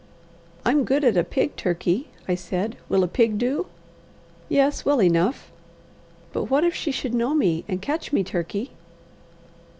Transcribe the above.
"I'm good at a pig, Turkey," I said. "Will a pig do?" "Yes, well enough." "But what if she should know me, and catch me, Turkey?"